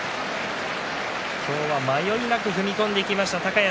今日は迷いなく踏み込んでいきました、高安。